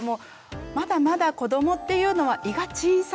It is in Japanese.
まだまだ子どもっていうのは胃が小さいんですよね。